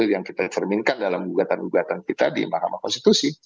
yang kita cerminkan dalam gugatan gugatan kita di mahkamah konstitusi